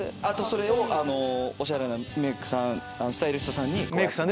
あとそれをおしゃれなメイクさんスタイリストさんに。